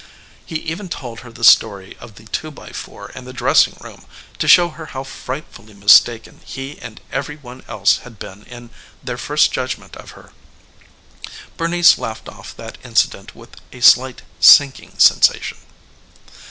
He even told her the story of the two by four and the dressing room to show her how frightfully mistaken he and every one else had been in their first judgment of her. Bernice laughed off that incident with a slight sinking sensation.